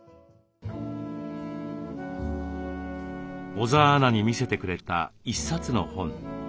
小澤アナに見せてくれた一冊の本。